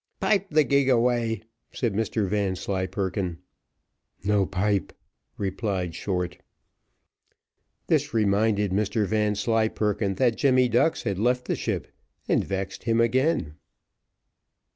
"Pipe the gig away," said Mr Vanslyperken. "No pipe," replied Short. This reminded Mr Vanslyperken that Jemmy Ducks had left the ship, and vexed him again.